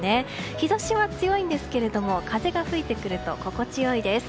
日差しは強いんですが風が吹いてくると心地良いです。